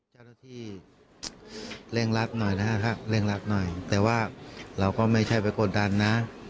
เจ้าหน้าที่เร่งรัดหน่อยนะฮะเร่งรัดหน่อยแต่ว่าเราก็ไม่ใช่ไปกดดันนะ